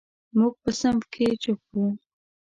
موږ په صنف کې چپ وو.